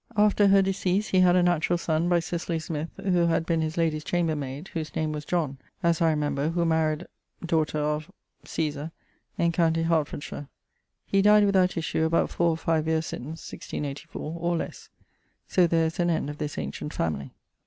After her decease he had a naturall sonne by Cicely Smyth, who had been his lady's chamber mayd, whose name was John, as I remember, who maried ... daughter of ... Cesar, in com. Hertf. He dyed without issue about 4 or 5 years since (1684), or lesse. So there is an end of this ancient family.